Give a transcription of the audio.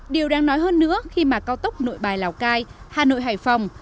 điều đáng nói hơn nữa khi mà cao tốc nội bài lào cai hà nội hải phòng